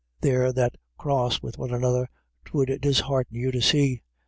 They're that cross wid one another 'twould dis hearten you to see.